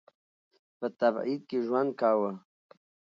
په تبعید کې ژوند کاوه.